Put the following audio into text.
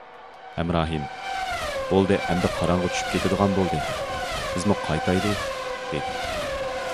ھەمراھىم« بولدى، ئەمدى قاراڭغۇ چۈشۈپ كېتىدىغان بولدى، بىزمۇ قايتايلى» دېدى.